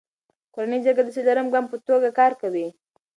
کورنی جرګه د څلورم ګام په توګه کار کوي.